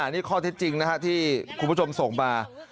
นี่ข้อเท็จจริงนะครับที่คุณผู้ชมส่งมา